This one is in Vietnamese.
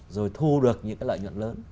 rồi thu được những cái lợi nhuận lớn